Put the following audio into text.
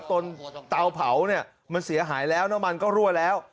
เตาเผาเนี่ยมันเสียหายแล้วน้ำมันก็รั่วแล้ว